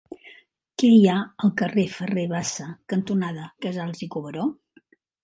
Què hi ha al carrer Ferrer Bassa cantonada Casals i Cuberó?